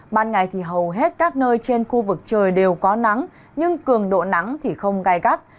ban ngày thì hầu hết các nơi trên khu vực trời đều có nắng nhưng cường độ nắng thì không gai gắt